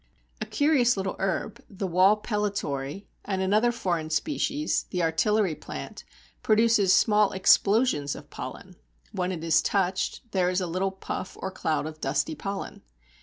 A curious little herb, the Wall Pellitory, and another foreign species, the Artillery plant, produces small explosions of pollen. When it is touched, there is a little puff or cloud of dusty pollen.